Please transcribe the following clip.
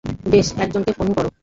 বেশ, একজনকে ফোন করো।